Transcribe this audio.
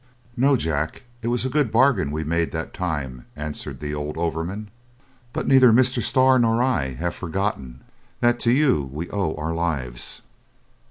"No, Jack, it was a good bargain we made that time!" answered the old overman. "But neither Mr. Starr nor I have forgotten that to you we owe our lives."